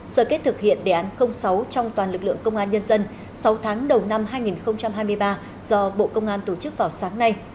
sở kết thực hiện đề án sáu trong toàn lực lượng công an nhân dân sáu tháng đầu năm hai nghìn hai mươi ba do bộ công an tổ chức vào sáng nay